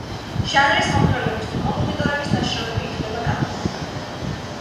ჟანრის მომღერლების თუ კომპოზიტორების ნაშრომები ითვლება კანონიკურად.